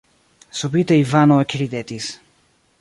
Subite Ivano ekridetis.